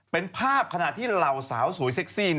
เป็นภาพขณะที่เหล่าสาวสวยเซ็กซี่